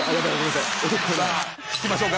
聞きましょうか。